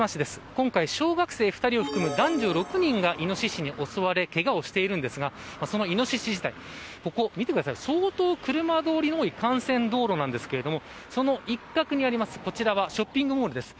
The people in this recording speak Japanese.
今回、小学生を含む男女２人がイノシシに襲われけがをしているんですがここは相当、車通りが多い幹線道路なんですがその一角にあるショッピングモールです。